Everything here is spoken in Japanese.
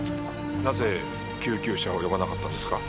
なぜ救急車を呼ばなかったんですか？